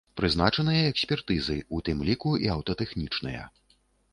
Прызначаныя экспертызы, у тым ліку і аўтатэхнічныя.